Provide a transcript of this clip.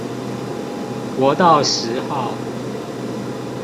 國道十號